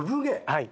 はい。